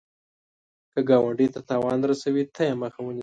که ګاونډي ته تاوان رسوي، ته یې مخه ونیسه